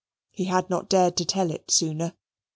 He had not dared to tell it sooner.